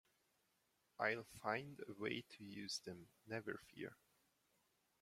I'll find a way to use them, never fear!